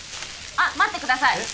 あっ待ってください